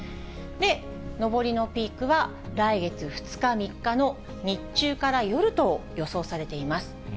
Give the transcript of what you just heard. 上りのピークは来月２日、３日の日中から夜と予想されています。